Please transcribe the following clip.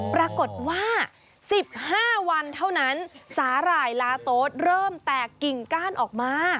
ปรากฏว่า๑๕วันเท่านั้นสาหร่ายลาโต๊ดเริ่มแตกกิ่งก้านออกมา